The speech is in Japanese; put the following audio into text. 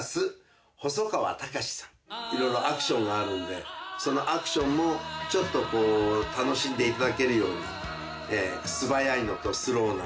いろいろアクションがあるんでそのアクションもちょっとこう楽しんでいただけるように。